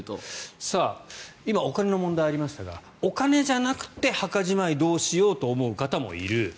今、お金の問題がありましたがお金じゃなくて墓じまいどうしようと思う方もいる。